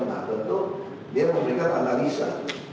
nah tentu dia memberikan analisa